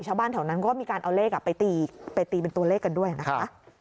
ชาวบ้านแถวนั้นก็มีการเอาเลขไปตีเป็นตัวเลขกันด้วยนะคะ